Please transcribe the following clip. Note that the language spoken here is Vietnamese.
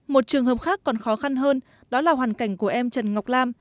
một trường hợp khác còn khó khăn hơn đó là hoàn cảnh của em trần ngọc lam